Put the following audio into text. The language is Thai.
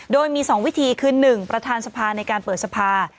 โดยมี๒วิธีคือ๑ประธานสภาในการเปิดสภา